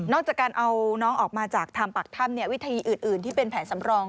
นอกจากการเอาน้องออกมาจากธรรมปักธรรมวิธีอื่นที่เป็นแผนสำรอง